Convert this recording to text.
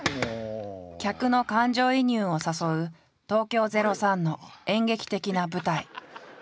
客の感情移入を誘う東京０３の演劇的な舞台。